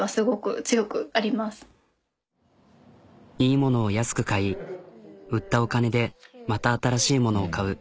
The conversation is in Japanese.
いいものを安く買い売ったお金でまた新しいものを買う。